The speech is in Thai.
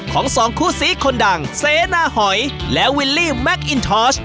ของสองคู่ซีคนดังเสนาหอยและวิลลี่แมคอินทอช